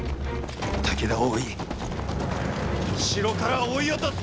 武田を追い後ろから追い落とす！